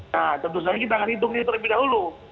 nah tentu saja kita akan hitungnya terlebih dahulu